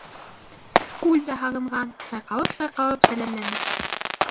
Күл дә һағынған: сайҡалып-сайҡалып сәләмләне.